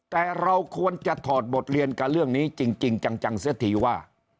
แต่เราควรจะถอดบทเรียนกับเรื่องนี้จริงจังเสียทีว่า